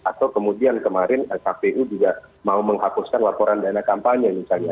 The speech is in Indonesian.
atau kemudian kemarin kpu juga mau menghapuskan laporan dana kampanye misalnya